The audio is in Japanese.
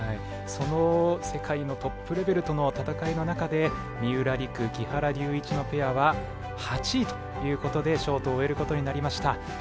その世界のトップレベルとの戦いの中で三浦璃来、木原龍一のペアは８位ということでショートを終えることになりました。